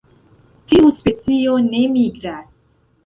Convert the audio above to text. Tiu specio ne migras.